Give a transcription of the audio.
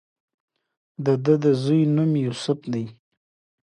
د دۀ د زوي نوم يوسف خان وۀ